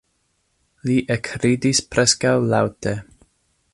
Li ekridis preskaŭ laŭte.